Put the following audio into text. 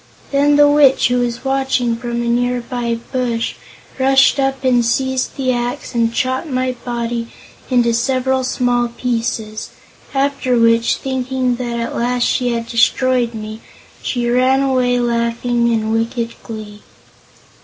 Then the Witch, who was watching from a near by bush, rushed up and seized the axe and chopped my body into several small pieces, after which, thinking that at last she had destroyed me, she ran away laughing in wicked glee.